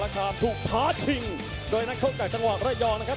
การถูกท้าชิงโดยนักชกจากจังหวัดระยองนะครับ